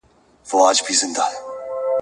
دا نظر د ابن خلدون له نظر سره ورته دی.